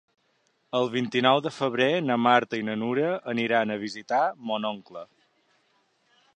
El vint-i-nou de febrer na Marta i na Nura aniran a visitar mon oncle.